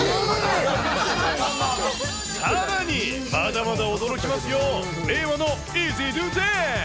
さらに、まだまだ驚きますよ、令和のイージードゥーダンス。